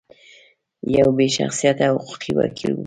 یو بې شخصیته حقوقي وکیل و.